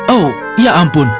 oh ya ampun